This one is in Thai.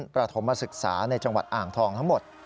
ประถมศึกษาในจังหวัดอ่างทองทั้งหมด